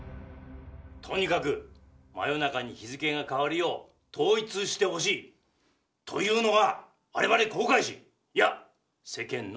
とにかく真夜中に日付が変わるよう統一してほしいというのが我々航海士いや世間の望みなんですよ！